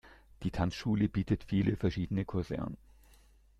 Die Tanzschule bietet viele verschiedene Kurse an.